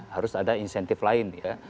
harus ada insentif lain ya